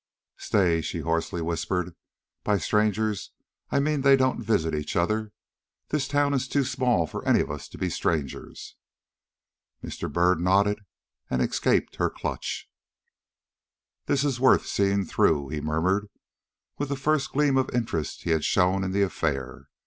"Stay!" she hoarsely whispered. "By strangers I mean they don't visit each other. The town is too small for any of us to be strangers." Mr. Byrd nodded and escaped her clutch. "This is worth seeing through," he murmured, with the first gleam of interest he had shown in the affair.